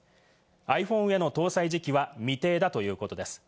ｉＰｈｏｎｅへの搭載時期は未定だということです。